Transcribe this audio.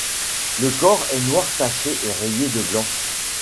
Le corps est noir taché et rayé de blanc.